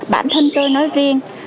bản thân tôi nói riêng